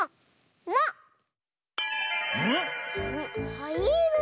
はいいろ？